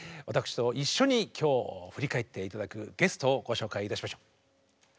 私と一緒に今日振り返って頂くゲストをご紹介いたしましょう。